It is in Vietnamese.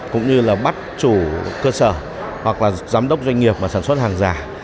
cũng như là bắt chủ cơ sở hoặc là giám đốc doanh nghiệp mà sản xuất hàng giả